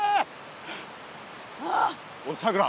おいさくら。